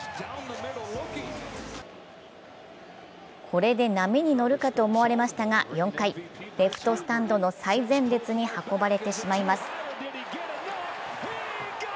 これで波に乗るかと思われましたが、４回レフトスタンドの最前列に運ばれてしまいます。